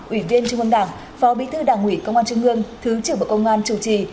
ủy viên trung ương đảng phó bí thư đảng ủy công an trung ương thứ trưởng bộ công an chủ trì